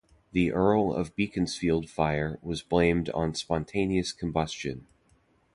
The "Earl of Beaconsfield" fire was blamed on spontaneous combustion.